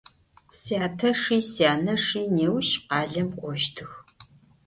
Syateşşi syaneşşi nêuş khalem k'oştıx.